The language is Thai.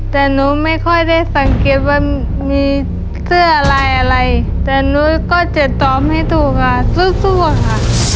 แต่หนูไม่ค่อยได้สังเกตว่ามีเสื้ออะไรอะไรแต่หนูก็จะตอบให้ถูกค่ะสู้อะค่ะ